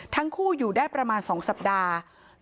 ทั้งคู่อยู่ได้ประมาณ๒สัปดาห์